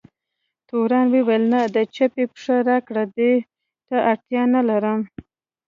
تورن وویل: نه، د چپې پښې راکړه، دې ته اړتیا نه لرم.